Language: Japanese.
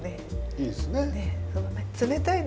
いいですね。